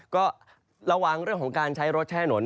ก็ระวังเรื่องของการใช้รถแช่หน